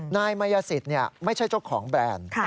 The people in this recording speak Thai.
นายมายสิทธิ์ไม่ใช่เจ้าของแบรนด์